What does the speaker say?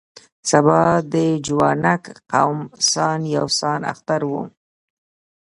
سبا د جوانګ قوم سان یو سان اختر و.